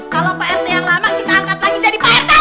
kalau pak rt yang lama kita angkat lagi jadi pak rt